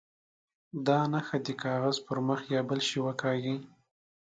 دا نښه د کاغذ پر مخ یا بل شي وکاږي.